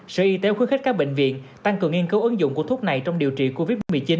sở y tế khuyến khích các bệnh viện tăng cường nghiên cứu ứng dụng của thuốc này trong điều trị covid một mươi chín